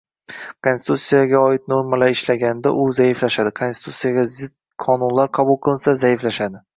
Konstitutsiyaga zid normalar ishlaganda, u zaiflashadi, konstitutsiyaga zid qonunlar qabul qilinsa, zaiflashadi